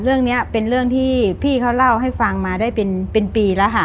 เรื่องนี้เป็นเรื่องที่พี่เขาเล่าให้ฟังมาได้เป็นปีแล้วค่ะ